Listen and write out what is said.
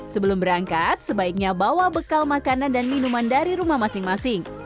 sebelum berangkat sebaiknya bawa bekal makanan dan minuman dari rumah masing masing